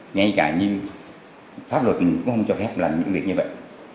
ngay cả như pháp luật cũng không cho phép làm những việc như vậy